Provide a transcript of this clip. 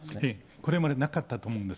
これまでなかったと思うんです。